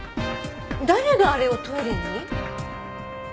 誰があれをトイレに？